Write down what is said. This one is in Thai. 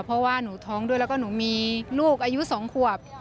เพราะว่าหนูท้องด้วยแล้วก็หนูมีลูกอายุ๒ขวบ